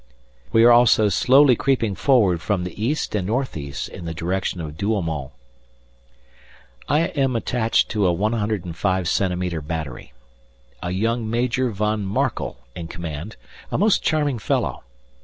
We are also slowly creeping forward from the east and north east in the direction of Douaumont. I am attached to a 105 cm. battery, a young Major von Markel in command, a most charming fellow.